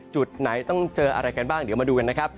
จุดไหนต้องเจออะไรกันบ้างเดี๋ยวมาดูกันนะครับ